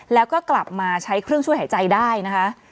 แล้วก็กลับมาใช้เครื่องช่วยหายใจได้นะคะ